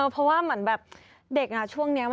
เพราะว่าเมื่อเด็กนะช่วงนี้